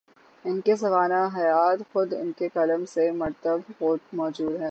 ان کی سوانح حیات، خود ان کے قلم سے مرتب موجود ہے۔